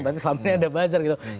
berarti selama ini ada buzzer gitu